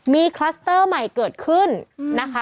มีคลัสเตอร์ใหม่เกิดขึ้นนะคะ